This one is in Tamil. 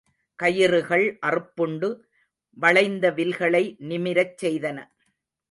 கயிறுகள் அறுப்புண்டு வளைந்த வில்களை நிமிரச் செய்தன.